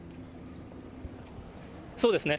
そうですね。